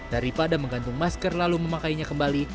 daripada menggantung masker lalu memakainya kembali